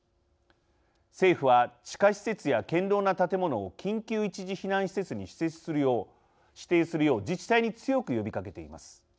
政府は地下施設や堅ろうな建物を緊急一時避難施設に指定するよう自治体に強く呼びかけています。